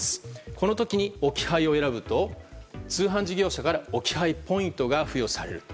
この時に、置き配を選ぶと通販事業者から置き配ポイントが付与される。